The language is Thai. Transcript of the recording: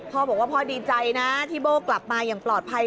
พ่อบอกว่าพ่อดีใจนะที่โบ้กลับมาอย่างปลอดภัย